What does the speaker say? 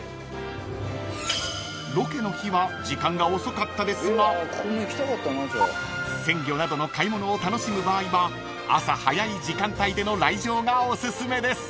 ［ロケの日は時間が遅かったですが鮮魚などの買い物を楽しむ場合は朝早い時間帯での来場がおすすめです］